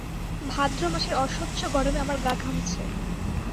ভাদ্র মাসের অসহ্য গরমে আমার গা ঘামছে।